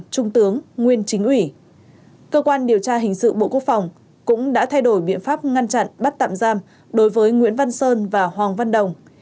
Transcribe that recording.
trung tướng cơ quan điều tra hình sự bộ quốc phòng cũng đã thay đổi biện pháp ngăn chặn bắt tạm giam đối với nguyễn văn sơn và hoàng văn đồng